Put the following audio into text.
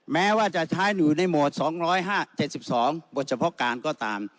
แม้ว่าจะใช้อยู่ในโหมด๒๕๗๒บทเฉพาะการก็ตาม